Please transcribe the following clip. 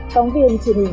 công viên truyền hình